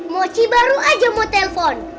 moci baru aja mau telepon